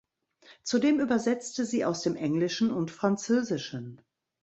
Zudem übersetzte sie aus dem Englischen und Französischen.